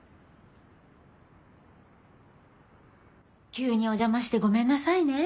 急にお邪魔してごめんなさいね。